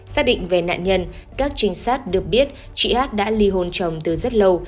xác định về nạn nhân các trinh sát được biết chị ác đã ly hôn chồng từ rất lâu